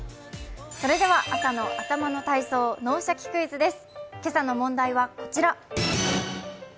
それでは、朝の頭の体操、「脳シャキ！クイズ」です。